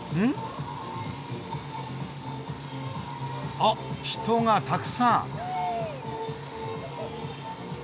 あっ人がたくさん。